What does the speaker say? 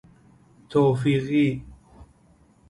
توقیفی